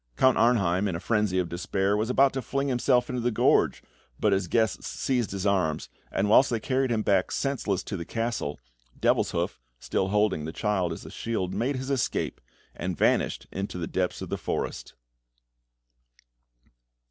Count Arnheim, in a frenzy of despair, was about to fling himself into the gorge, but his guests seized his arms, and whilst they carried him back senseless to the castle, Devilshoof, still holding the child as a shield, made his escape, and vanished into the depths of the forest.